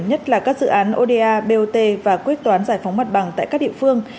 nhất là các dự án oda bot và quyết toán giải phóng mặt bằng tại các địa phương